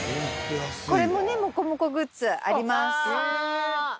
これもね、モコモコグッズ、あります。